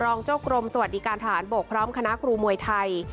รองเจ้ากรมสวัสดิการทหารบกพร้อมคณะครูมวยไทย